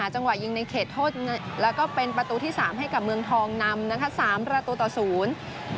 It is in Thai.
จังหวะยิงในเขตโทษแล้วก็เป็นประตูที่สามให้กับเมืองทองนำนะคะสามประตูต่อศูนย์